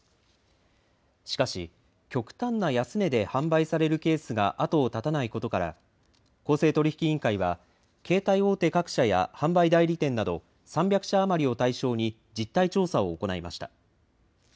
しかし、極端な安値で販売されるケースが後を絶たないことから、公正取引委員会は、携帯大手各社や、販売代理店など、３００社余りを対象に、実態調査を行いました。